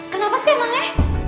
kenapa sih emangnya